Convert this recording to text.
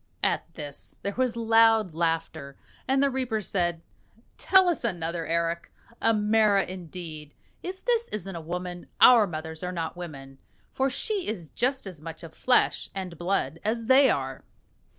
At this there was loud laughter, and the reapers said, "Tell us another, Eric. A mara indeed! If this isn't a woman, our mothers are not women, for she is just as much of flesh and blood as they are."